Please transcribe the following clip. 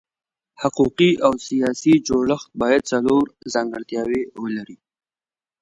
حقوقي او سیاسي جوړښت باید څلور ځانګړتیاوې ولري.